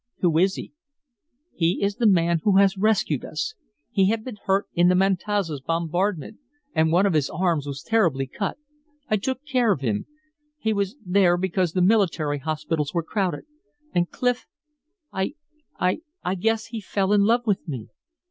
"Who is he?" "He is the man who has rescued us. He had been hurt in the Matanzas bombardment, and one of his arms was terribly cut. I took care of him he was there because the military hospitals were crowded. And, Clif, I I I guess he fell in love with me."